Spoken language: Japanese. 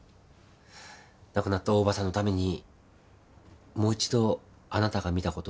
亡くなった大庭さんのためにもう一度あなたが見た事を話してくれますか？